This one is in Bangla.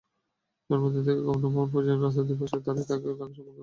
বিমানবন্দর থেকে গণভবন পর্যন্ত রাস্তার দুপাশে দাঁড়িয়ে তাঁকে সংবর্ধনা দেওয়া হবে।